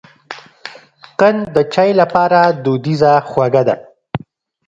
قند د چای لپاره دودیزه خوږه ده.